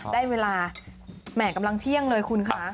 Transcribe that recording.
ได้เวลาแหม่กำลังเที่ยงเลยคุณคะ